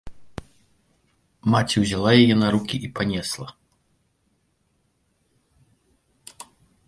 Маці ўзяла яе на рукі і панесла.